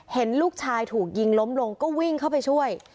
เห็นลูกชายถูกยิงล้มลงก็วิ่งเข้าไปช่วย